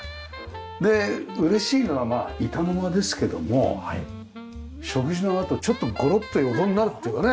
で嬉しいのはまあ板の間ですけども食事のあとちょっとゴロッと横になるっていうかね。